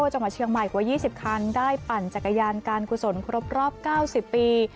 จังหวัดเชียงใหม่กว่า๒๐คันได้ปั่นจักรยานการกุศลครบรอบ๙๐ปี